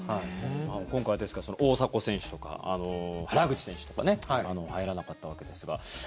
今回、ですから大迫選手とか原口選手とか入らなかったわけですが。